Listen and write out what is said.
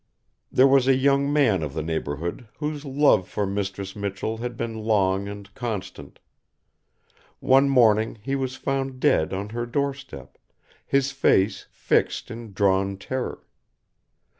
There was a young man of the neighborhood whose love for Mistress Michell had been long and constant. One morning he was found dead on her doorstep, his face fixed in drawn terror.